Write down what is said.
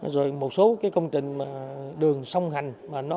rồi một số công trình đường song hành